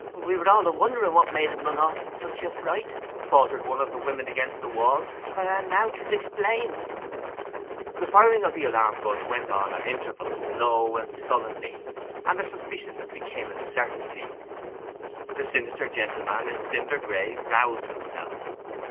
'We were all a wondering what made him run off in such a fright,' faltered one of the women against the wall, 'and now 'tis explained!' The firing of the alarm gun went on at intervals, low and sullenly, and their suspicions became a certainty. The sinister gentleman in cinder gray roused himself.